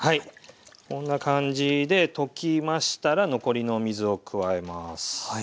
こんな感じで溶きましたら残りの水を加えます。